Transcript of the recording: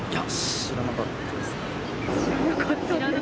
知らなかったですね。